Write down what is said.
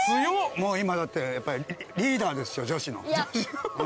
もう今だってやっぱりリーダーですよ女子の。